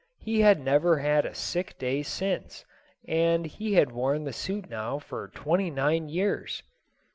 He had never had a sick day since, and he had worn the suit now for twenty nine years.